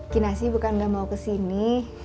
kinasi bukan nggak mau kesini